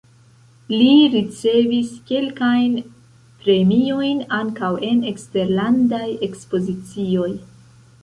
Li ricevis kelkajn premiojn, ankaŭ en eksterlandaj ekspozicioj.